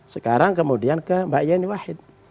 sekarang kemudian ke mbak yeni wahid